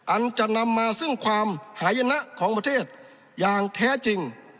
อันจะนำมาซึ่งความหายนะของประเทศอย่างแท้จริง